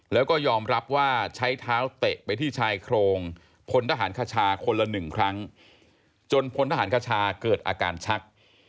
แล้วก็ยอมรับว่าใช้เท้าเตะไปที่ชายโครงพลทหารคชาคนละหนึ่งครั้งจนพลทหารคชาเกิดอาการชัก